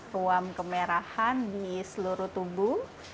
ruam kemerahan di seluruh tubuh